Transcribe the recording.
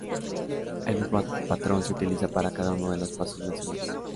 El mismo patrón se utiliza para cada uno de los pasos mencionados.